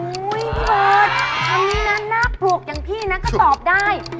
พี่เบิร์ตคำนี้นะน่าปลวกอย่างพี่นะก็ตอบได้